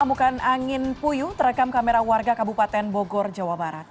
amukan angin puyuh terekam kamera warga kabupaten bogor jawa barat